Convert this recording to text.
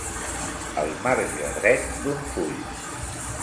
El marge dret d'un full.